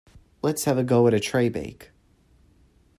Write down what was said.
Let's have a go at a tray bake.